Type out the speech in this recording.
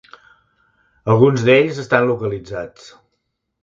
Alguns d'ells estan localitzats.